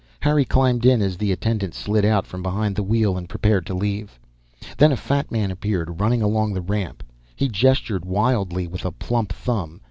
Harry climbed in as the attendant slid out from behind the wheel and prepared to leave. Then a fat man appeared, running along the ramp. He gestured wildly with a plump thumb.